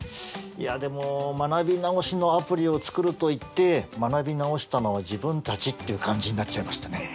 いやでも学び直しのアプリを作るといって学び直したのは自分たちっていう感じになっちゃいましたね。